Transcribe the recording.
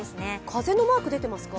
風のマーク出ていますか？